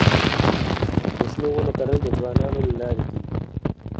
د شنو ونو کرل د ځوانانو له لارې کيږي.